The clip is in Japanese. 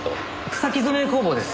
草木染め工房です